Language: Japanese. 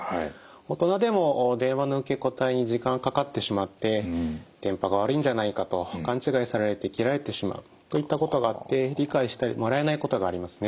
大人でも電話の受け答えに時間かかってしまって電波が悪いんじゃないかと勘違いされて切られてしまうといったことがあって理解してもらえないことがありますね。